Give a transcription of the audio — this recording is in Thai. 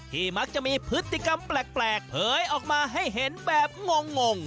มักจะมีพฤติกรรมแปลกเผยออกมาให้เห็นแบบงง